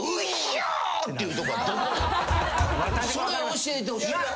それを教えてほしい。